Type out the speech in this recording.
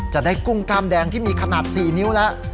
กุ้งกล้ามแดงที่มีขนาด๔นิ้วแล้ว